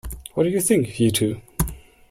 What do you think, you two?